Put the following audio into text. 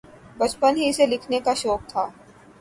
بچپن ہی سے لکھنے کا شوق تھا۔